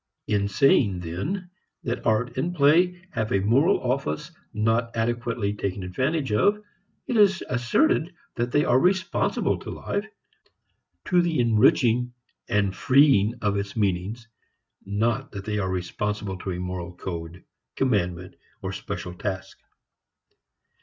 In saying then that art and play have a moral office not adequately taken advantage of it is asserted that they are responsible to life, to the enriching and freeing of its meanings, not that they are responsible to a moral code, commandment or special task.